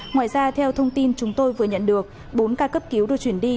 ngoài ra theo thông tin chúng tôi vừa nhận được bốn ca cấp cứu được chuyển đi